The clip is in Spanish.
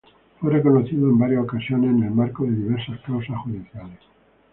Fue reconocido en varias ocasiones en el marco de diversas causas judiciales.